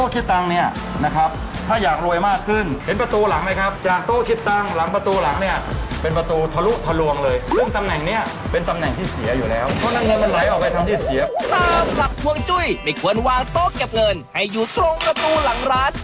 สำหรับห่วงจุ้ยไม่ควรวางโต๊ะเก็บเงินให้อยู่ตรงประตูหลังร้าน